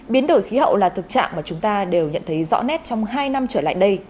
biến đổi khí hậu là thực trạng mà chúng ta đều nhận thấy rõ nét trong hai năm trở lại đây